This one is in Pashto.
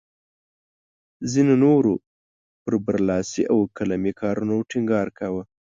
ځینو نورو پر برلاسي او قلمي کارونو ټینګار کاوه.